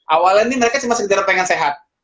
awalnya ini mereka cuma sekedar pengen sehat